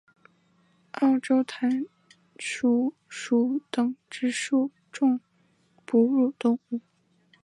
澳洲弹鼠属等之数种哺乳动物。